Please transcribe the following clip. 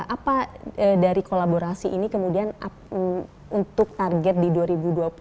apa dari kolaborasi ini kemudian untuk target di dua ribu dua puluh ini secara nilai itu bagaimana pak